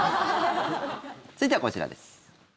続いてはこちらです。